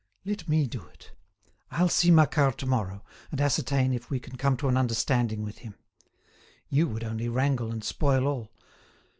Let me do it. I'll see Macquart to morrow, and ascertain if we can come to an understanding with him. You would only wrangle and spoil all.